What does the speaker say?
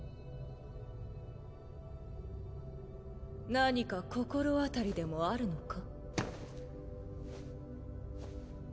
何か心当たりでもあるのか？